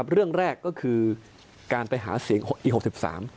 เรื่องแรกก็คือการไปหาเสียงอีก๖๓